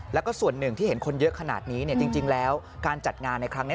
แล้วก็ส่วนหนึ่งที่เห็นคนเยอะขนาดนี้จริงแล้วการจัดงานในครั้งนี้